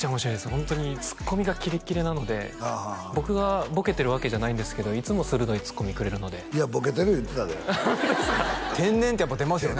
ホントにツッコミがキレッキレなので僕がボケてるわけじゃないんですけどいつも鋭いツッコミくれるのでいやボケてる言うてたでホントですか？